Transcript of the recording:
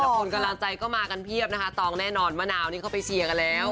คนกำลังใจก็มากันเพียบนะคะตองแน่นอนมะนาวนี่เขาไปเชียร์กันแล้ว